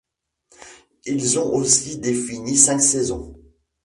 Ils ont aussi défini cinq saisons.